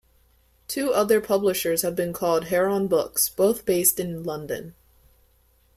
Two other publishers have been called Heron Books, both based in London.